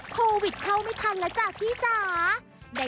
โควิดเข้าไม่ทันแล้วจ้ะพี่จ๋า